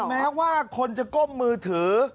แม้ว่าคนจะก้มมือถือ